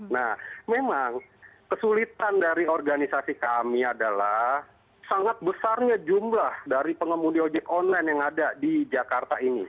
nah memang kesulitan dari organisasi kami adalah sangat besarnya jumlah dari pengemudi ojek online yang ada di jakarta ini